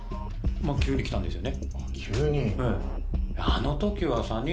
まぁ急に来たんですよね